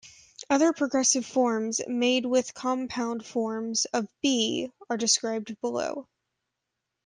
Other progressive forms, made with compound forms of "be", are described below.